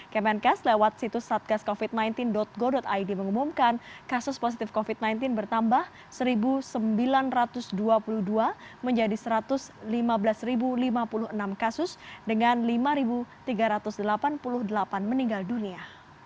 kemenkes lewat situs satgascovid sembilan belas go id mengumumkan kasus positif covid sembilan belas bertambah satu sembilan ratus dua puluh dua menjadi satu ratus lima belas lima puluh enam kasus dengan lima tiga ratus delapan puluh delapan meninggal dunia